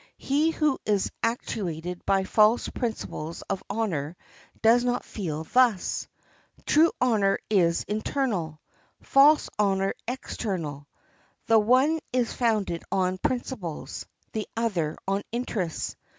He who is actuated by false principles of honor does not feel thus. True honor is internal, false honor external. The one is founded on principles, the other on interests.